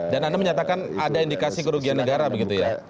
dan anda menyatakan ada indikasi kerugian negara begitu ya